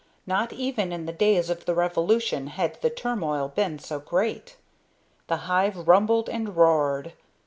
Not even in the days of the revolution had the turmoil been so great. The hive rumbled and roared.